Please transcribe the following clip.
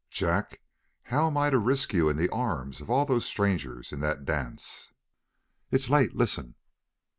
"Jack, how am I to risk you in the arms of all the strangers in that dance? "It's late. Listen!"